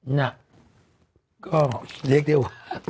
หนักก็เล็กเดียว